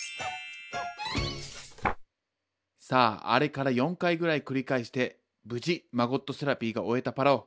さああれから４回ぐらい繰り返して無事マゴットセラピーが終えたパラオ。